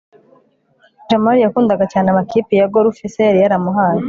jamali yakundaga cyane amakipi ya golf se yari yamuhaye